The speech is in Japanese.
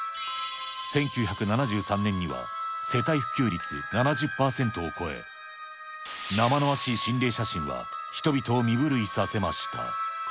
１９７３年には、世帯普及率７０％を超え、生々しい心霊写真は、人々を身震いさせました。